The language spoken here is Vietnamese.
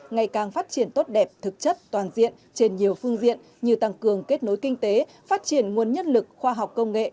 ngày càng phát triển tốt đẹp thực chất toàn diện trên nhiều phương diện như tăng cường kết nối kinh tế phát triển nguồn nhân lực khoa học công nghệ